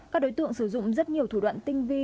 các đối tượng sử dụng rất nhiều thủ đoạn tinh vi